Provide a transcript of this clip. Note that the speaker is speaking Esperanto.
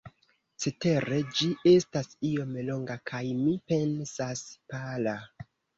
Cetere ĝi estas iom longa kaj, mi pensas, pala.